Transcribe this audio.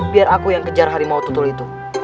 biar aku yang kejar harimau tutul itu